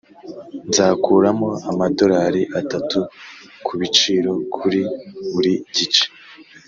nzakuramo amadorari atatu kubiciro kuri buri gice.